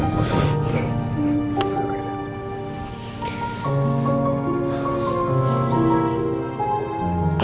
gak usah nangis ya